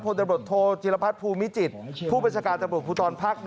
พศจิลภัทรภูมิจิตผู้บัชการตำรวจภูทรภาค๑